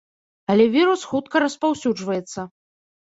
Але вірус хутка распаўсюджваецца.